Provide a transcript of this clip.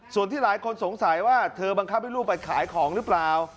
ส่วนที่หลายคนสงสัยว่าเธอบังคับให้ลูกไปขายของหรือเปล่า